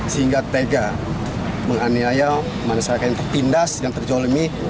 sehingga tega menganiaya masyarakat yang tertindas dan terjolimi